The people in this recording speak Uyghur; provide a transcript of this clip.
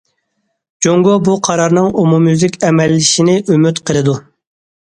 جۇڭگو بۇ قارارنىڭ ئومۇميۈزلۈك ئەمەلىيلىشىشىنى ئۈمىد قىلىدۇ.